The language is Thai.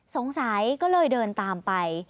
สงสัยก็เลยเดินตามไป